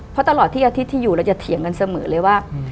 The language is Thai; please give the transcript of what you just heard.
เพราะตลอดที่อาทิตย์ที่อยู่เราจะเถียงกันเสมอเลยว่า